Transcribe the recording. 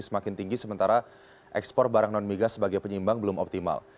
semakin tinggi sementara ekspor barang non migas sebagai penyeimbang belum optimal